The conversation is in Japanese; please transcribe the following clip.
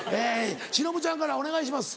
忍ちゃんからお願いします。